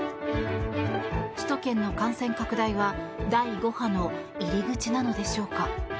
首都圏の感染拡大は第５波の入り口なのでしょうか。